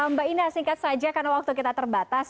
mbak ina singkat saja karena waktu kita terbatas